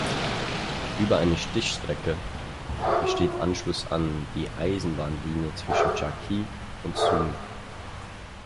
Über eine Stichstrecke besteht Anschluss an die Eisenbahnlinie zwischen Charkiw und Sumy.